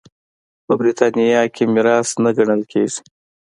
په برېټانیا کې میراث نه ګڼل کېږي.